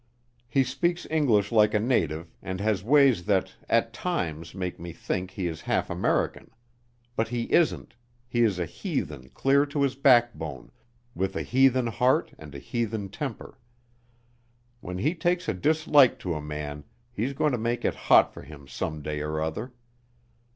He speaks English like a native and has ways that at times make me think he is half American. But he isn't he is a heathen clear to his backbone, with a heathen heart and a heathen temper. When he takes a dislike to a man he's going to make it hot for him some day or other.